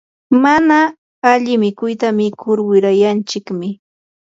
mana alli mikuyta mikur wirayanchikmi.